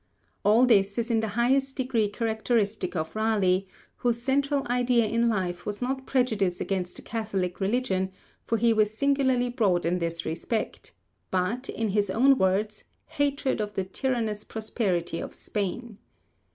All this is in the highest degree characteristic of Raleigh, whose central idea in life was not prejudice against the Catholic religion, for he was singularly broad in this respect, but, in his own words, 'hatred of the tyrannous prosperity of Spain.'